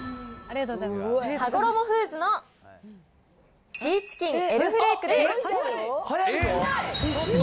はごろもフーズのシーチキンＬフレークです。